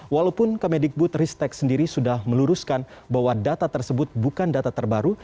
walaupun kemedikbud ristek sendiri sudah meluruskan bahwa data tersebut bukan data terbaru